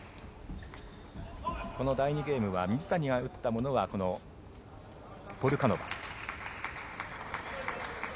この第２ゲームは水谷が打ったものはこのポルカノバ。